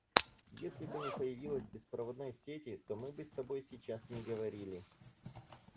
Если бы не появилось беспроводной сети, то мы бы с тобой сейчас не говорили.